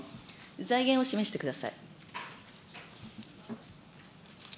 財源を示してください。